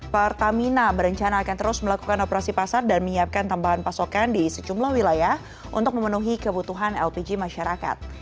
pertamina berencana akan terus melakukan operasi pasar dan menyiapkan tambahan pasokan di sejumlah wilayah untuk memenuhi kebutuhan lpg masyarakat